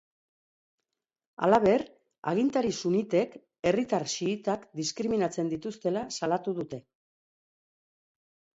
Halaber, agintari sunitek herritar xiitak diskriminatzen dituztela salatu dute.